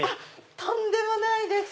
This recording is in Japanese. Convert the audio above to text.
とんでもないです。